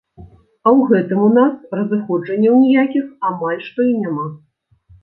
А ў гэтым у нас разыходжанняў ніякіх амаль што і няма.